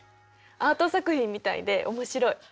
アート作品みたいで面白い。